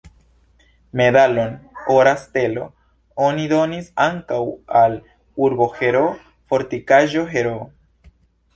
Medalon "Ora stelo" oni donis ankaŭ al "Urbo-Heroo", "Fortikaĵo-Heroo".